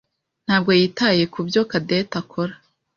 ntabwo yitaye kubyo Cadette akora.